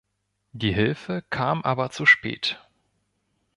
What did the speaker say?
Die Hilfe kam aber zu spät.